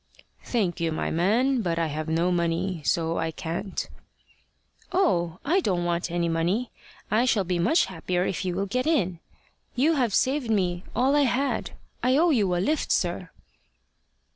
"Thank you, my man; but I have no money; so I can't." "Oh! I don't want any money. I shall be much happier if you will get in. You have saved me all I had. I owe you a lift, sir."